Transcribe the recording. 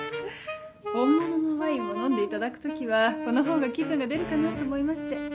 本物のワインを飲んでいただく時はこのほうが気分が出るかなと思いまして。